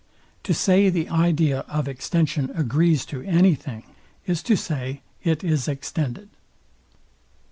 To say the idea of extension agrees to any thing, is to say it is extended.